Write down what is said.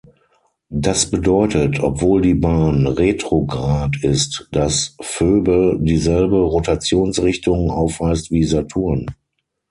Das bedeutet, obwohl die Bahn retrograd ist, dass Phoebe dieselbe Rotationsrichtung aufweist wie Saturn.